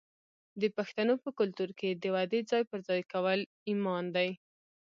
د پښتنو په کلتور کې د وعدې ځای پر ځای کول ایمان دی.